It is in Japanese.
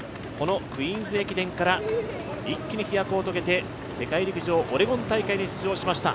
クイーンズ駅伝から一気に飛躍を遂げて、世界陸上オレゴン大会に出場しました。